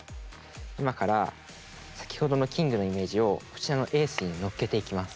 今から先ほどのキングのイメージをこちらのエースにのっけていきます。